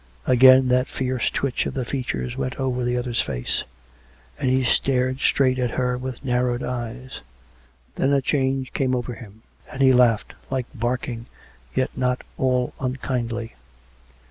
Again that fierce twitch of the features went over the other's face; and he stared straight at her with narrowed eyes. Then a change again came over him; and he laughed, like barking, yet not all unkindly.